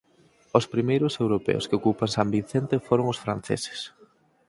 Os primeiros europeos que ocupan San Vicente foron os franceses.